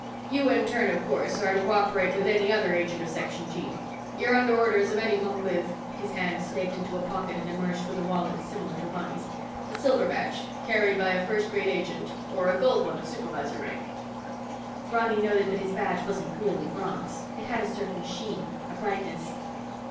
You in turn, of course, are to co operate with any other agent of Section G. You're under orders of anyone with"—his hand snaked into a pocket and emerged with a wallet similar to Ronny's—"a silver badge, carried by a First Grade Agent, or a gold one of Supervisor rank." Ronny noted that his badge wasn't really bronze. It had a certain sheen, a brightness.